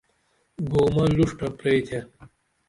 گومہ لوڜٹہ پریتھے